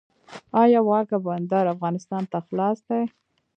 آیا واګه بندر افغانستان ته خلاص دی؟